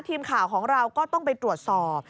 ทีมข่าวของเราก็ต้องไปตรวจสอบ